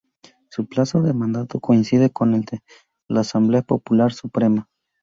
Su plazo de mandato coincide con el de la Asamblea Popular Suprema.